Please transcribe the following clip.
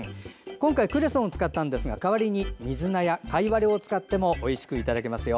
今回はクレソンを使いましたが代わりに水菜やカイワレを使ってもおいしくいただけますよ。